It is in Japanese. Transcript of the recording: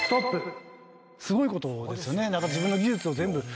すごいことですよね。